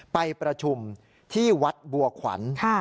ไปประชุมที่วัดบัวขวัญ